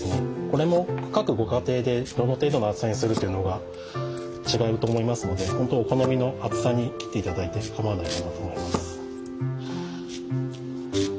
これも各ご家庭でどの程度の厚さにするというのが違うと思いますのでほんとお好みの厚さに切っていただいてかまわないと思います。